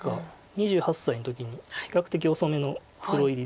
２８歳の時に比較的遅めのプロ入りです。